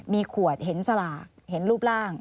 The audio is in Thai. มีขวดเห็นสลากเห็นรูปร่าง